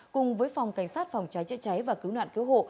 cùng với phòng cảnh sát phòng trái chế cháy và cứu nạn cứu hộ